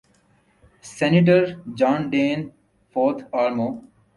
senator John Danforth آر مو